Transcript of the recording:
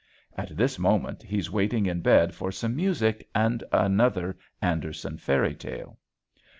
At this moment he's waiting in bed for some music and another Andersen fairy tale.